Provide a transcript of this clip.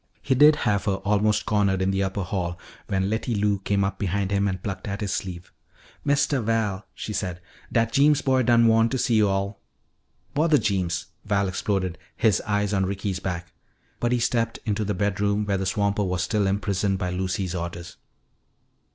He did have her almost cornered in the upper hall when Letty Lou came up behind him and plucked at his sleeve. "Mistuh Val," she said, "dat Jeems boy done wan' to see yo'all." "Bother Jeems!" Val exploded, his eyes on Ricky's back. But he stepped into the bedroom where the swamper was still imprisoned by Lucy's orders.